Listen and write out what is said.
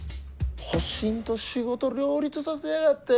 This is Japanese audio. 保身と仕事両立させやがって。